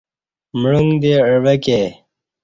معانگ دے عوہ کے